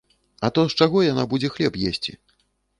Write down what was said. А то з чаго яна будзе хлеб есці?